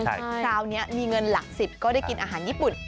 คราวนี้มีเงินหลัก๑๐ก็ได้กินอาหารญี่ปุ่น